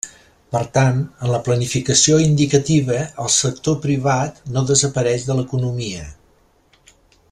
Per tant, en la planificació indicativa el sector privat no desapareix de l'economia.